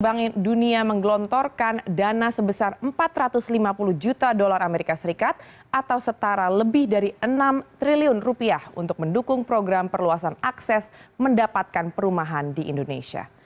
bank dunia menggelontorkan dana sebesar empat ratus lima puluh juta dolar amerika serikat atau setara lebih dari enam triliun rupiah untuk mendukung program perluasan akses mendapatkan perumahan di indonesia